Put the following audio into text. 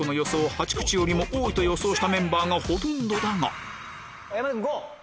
８口よりも多いと予想したメンバーがほとんどだが山田君５。